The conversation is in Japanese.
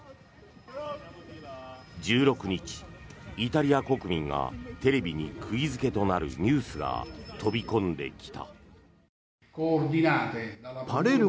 １６日、イタリア国民がテレビに釘付けとなるニュースが飛び込んできた。